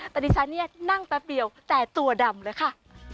แต่ดิฉันเนี่ยนั่งแป๊บเดียวแต่ตัวดำเลยค่ะ